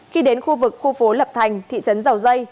khi đến khu vực khu phố lập thành thị trấn dầu dây